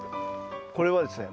これはですね